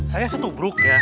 saya setubruk ya